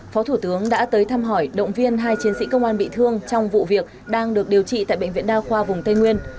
phó thủ tướng đã tới thăm hỏi động viên hai chiến sĩ công an bị thương trong vụ việc đang được điều trị tại bệnh viện đa khoa vùng tây nguyên